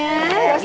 bisa rebutan nek